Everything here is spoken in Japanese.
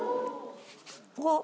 うわっ！